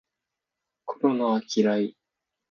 コロナは嫌い